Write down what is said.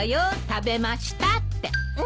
「食べました」って。